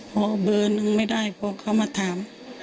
พอเบอร์หนึ่งไม่ได้พอเขามาถาม